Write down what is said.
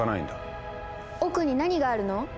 奥に何があるの？